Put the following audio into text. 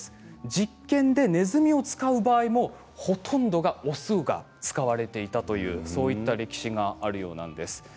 実験でネズミを使う場合もほとんどが雄が使われていたというそういった歴史があるようなんです。